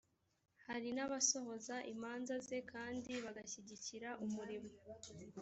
hari n abasohoza imanza ze kandi bagashyigikira umurimo